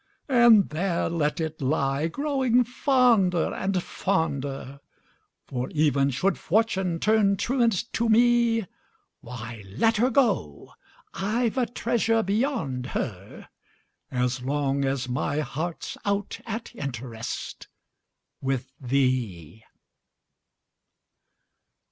And there let it lie, growing fonder and, fonder For, even should Fortune turn truant to me, Why, let her go I've a treasure beyond her, As long as my heart's out at interest With thee!